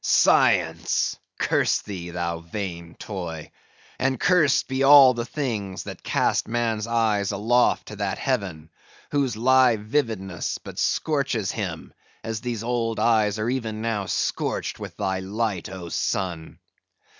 Science! Curse thee, thou vain toy; and cursed be all the things that cast man's eyes aloft to that heaven, whose live vividness but scorches him, as these old eyes are even now scorched with thy light, O sun!